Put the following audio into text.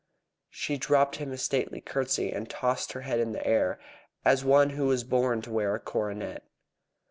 She dropped him a stately curtsey, and tossed her head in the air, as one who was born to wear a coronet.